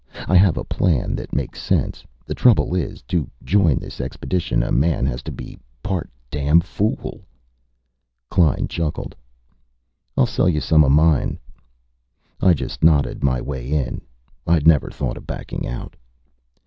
I have a plan that makes sense. The trouble is, to join this expedition, a man has to be part damn fool." Klein chuckled. "I'll sell you some of mine." I just nodded my way in. I'd never thought of backing out.